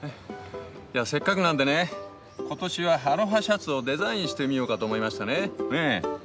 せっかくなんでね今年はアロハシャツをデザインしてみようかと思いましてね。